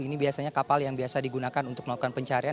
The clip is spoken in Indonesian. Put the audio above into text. ini biasanya kapal yang biasa digunakan untuk melakukan pencarian